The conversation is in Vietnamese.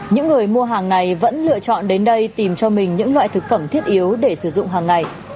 những người mua hàng này vẫn lựa chọn đến đây tìm cho mình những loại thực phẩm thiết yếu để sử dụng hàng ngày